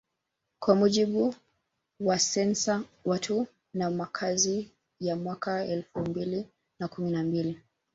Kwa mujibu wasensa Watu na Makazi ya mwaka elfu mbili na kumi na mbili